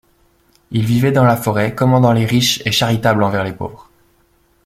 Il vivait dans la forêt, commandant les riches et charitable envers les pauvres.